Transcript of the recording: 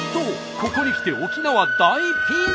ここにきて沖縄大ピンチ！